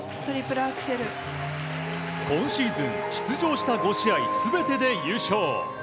今シーズン出場した５試合すべてで優勝。